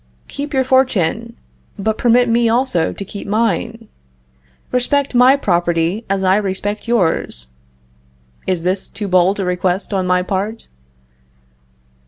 Keep your fortune, but permit me also to keep mine. Respect my property as I respect yours. Is this too bold a request on my part?